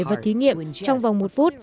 và thí nghiệm trong vòng một phút